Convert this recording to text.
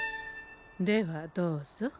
ではどうぞ。